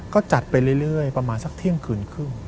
ก็จัดไปเรื่อยประมาณสักเที่ยงคืนครึ่ง